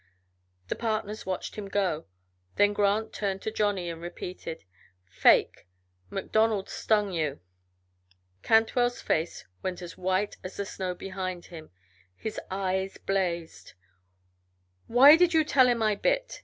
The partners watched him go, then Grant turned to Johnny, and repeated: "Fake! MacDonald stung you." Cantwell's face went as white as the snow behind him, his eyes blazed. "Why did you tell him I bit?"